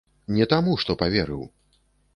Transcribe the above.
Не таму, што паверыў.